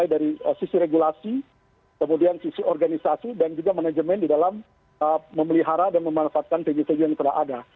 dari sisi regulasi kemudian sisi organisasi dan juga manajemen di dalam memelihara dan memanfaatkan venue veju yang telah ada